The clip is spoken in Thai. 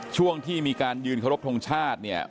ช่วงที่มีการยืนขอรบทรงชาติ